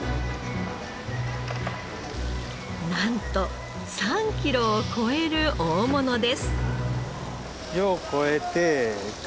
なんと３キロを超える大物です。